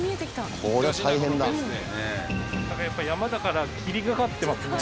やっぱ山だから霧がかってますね